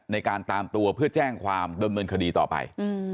ในการตามตัวเพื่อแจ้งความดำเนินคดีต่อไป